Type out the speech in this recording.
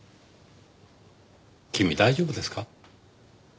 君大丈夫ですか？